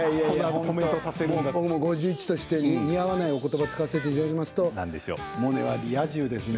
僕も５１として似合わないおことばを使わせていただくとモネは、リア充ですね。